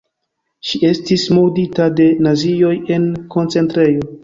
Ŝi estis murdita de nazioj en koncentrejo.